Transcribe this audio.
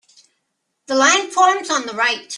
The line forms on the right.